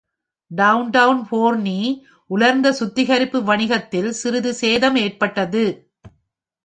Downtown Forney, உலர்ந்த சுத்திகரிப்பு வணிகத்தில் சிறிது சேதம் ஏற்பட்டது.